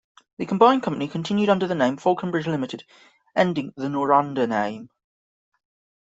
The combined company continued under the name Falconbridge Limited, ending the Noranda name.